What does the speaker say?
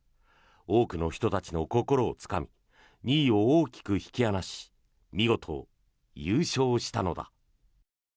多くの人たちの心をつかみ２位を大きく引き離し見事、優勝したのだ。